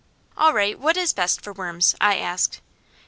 "All right! What is best for worms?" I asked.